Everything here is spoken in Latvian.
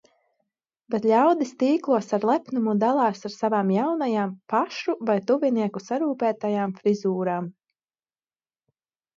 Bet ļaudis tīklos ar lepnumu dalās ar savām jaunajām, pašu vai tuvinieku sarūpētajām frizūrām.